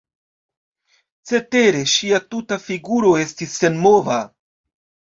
Cetere ŝia tuta figuro estis senmova.